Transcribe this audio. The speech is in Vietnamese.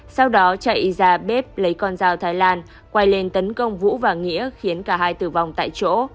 sau đó chạy ra bếp lấy con dao thái lan quay lên tấn công vũ và nghĩa khiến cả hai tử vong tại chỗ